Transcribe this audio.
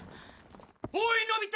おいのび太！